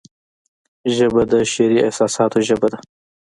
ژبه د شعري احساساتو ژبه ده